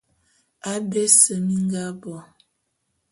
Abé ese mi nga bo.